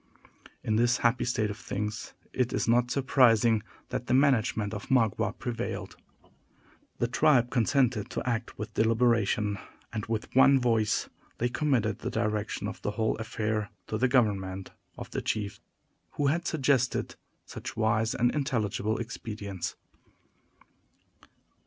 In this happy state of things, it is not surprising that the management of Magua prevailed. The tribe consented to act with deliberation, and with one voice they committed the direction of the whole affair to the government of the chief who had suggested such wise and intelligible expedients.